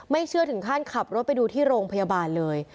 เชื่อถึงขั้นขับรถไปดูที่โรงพยาบาลเลย